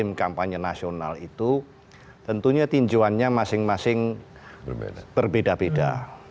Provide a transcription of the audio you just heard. tim kampanye nasional itu tentunya tinjauannya masing masing berbeda beda